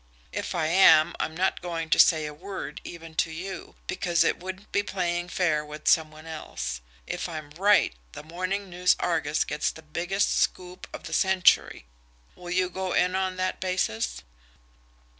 If I am, I'm not going to say a word even to you, because it wouldn't be playing fair with some one else; if I'm right the MORNING NEWS ARGUS gets the biggest scoop of the century. Will you go in on that basis?"